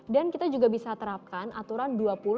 dan kita juga bisa terapkan aturan dua puluh dua puluh dua puluh